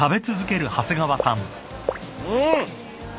うん。